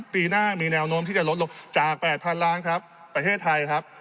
ปีหน้ามีแนวโน้มที่จะลดลงจาก๘๐๐๐ล้านครับประเทศไทยครับ